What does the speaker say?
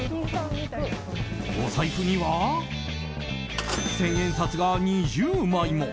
お財布には、千円札が２０枚も。